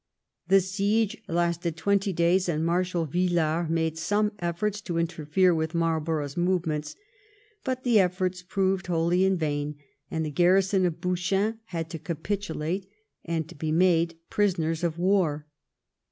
The siege lasted twenty days, and Marshal Villars made some efforts to interfere with Marlborough's movements, but the efforts proved wholly in vain, and the garri son of Bouchain had to capitulate and to be made prisoners of war.